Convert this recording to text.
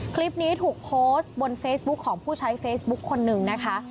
คลิปนี้ถูกโพสต์บนเฟซบุ๊คของผู้ใช้เฟซบุ๊คคนนึงนะคะ